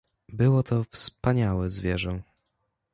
"Było to wspaniałe zwierzę."